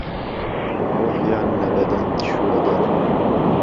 ڕوحيان له بهدەن چووه دەر